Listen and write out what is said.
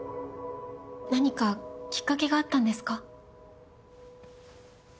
何かきっかけがあったんですか？